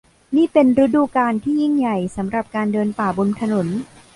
นี่เป็นฤดูกาลที่ยิ่งใหญ่สำหรับการเดินป่าบนถนน